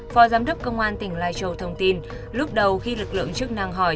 phó giám đốc công an tỉnh lai châu thông tin lúc đầu khi lực lượng chức năng hỏi